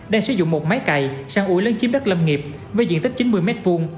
đang sử dụng một máy cày săn ủi lấn chiếm đất lâm nghiệp với diện tích chín mươi m hai